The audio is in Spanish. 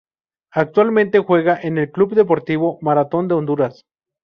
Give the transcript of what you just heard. Actualmente juega en el Club Deportivo Marathón de Honduras.